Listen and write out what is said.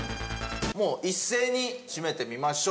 もう一斉に締めてみましょう。